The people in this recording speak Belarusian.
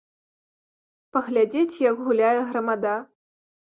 Паглядзець, як гуляе грамада.